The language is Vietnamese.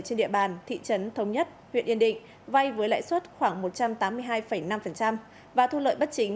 trên địa bàn thị trấn thống nhất huyện yên định vay với lãi suất khoảng một trăm tám mươi hai năm và thu lợi bất chính